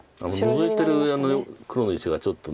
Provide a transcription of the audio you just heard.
ノゾいてる黒の石がちょっと。